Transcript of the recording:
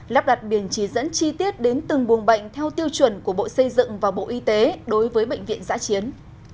lắp đặt biển chỉ dẫn chi tiết đến từng buồng bệnh theo tiêu chuẩn của bộ xây dựng và bộ y tế đối với bệnh viện giã chiến